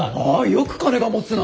よく金がもつな！